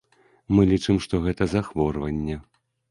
Мы лічым, што гэта захворванне.